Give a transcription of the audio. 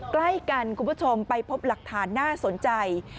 ใกล้กันคุณผู้ชมไปพบหลักฐานน่าสนใจ